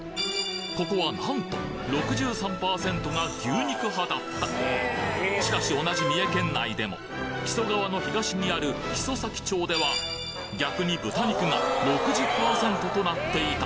ここは何と６３％が牛肉派だったしかし同じ三重県内でも木曽川の東にある木曽岬町では逆に豚肉が６０％となっていた。